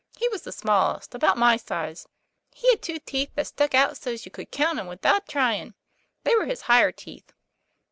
He was the smallest, about my size. He had two teeth that stuck out so's you could count 'em without trying. They were his higher teeth."